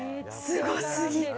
すごすぎ。